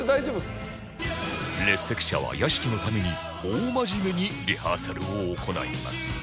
列席者は屋敷のために大真面目にリハーサルを行います